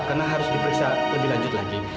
karena harus diperiksa lebih lanjut lagi